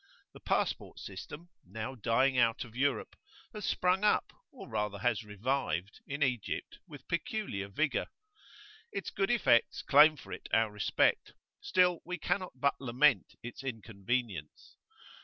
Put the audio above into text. The passport system, now dying out of Europe, has sprung up, or rather has revived, in Egypt, with peculiar vigour.[FN#4] Its good effects claim for it our respect; still we cannot but lament its inconvenience.